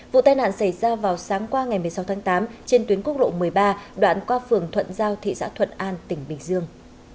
vụ tai nạn xảy ra vào sáng qua ngày một mươi sáu tháng tám trên tuyến quốc lộ một mươi ba đoạn qua phường thuận giao thị xã thuận an tỉnh bình dương